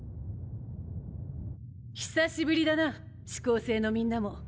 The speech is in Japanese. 久しぶりだな四煌星のみんなも。